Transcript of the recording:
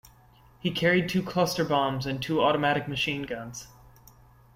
He carried two cluster bombs and two automatic machine guns.